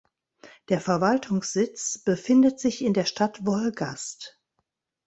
Der Verwaltungssitz befindet sich in der Stadt Wolgast.